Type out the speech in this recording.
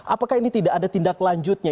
apakah ini tidak ada tindak lanjutnya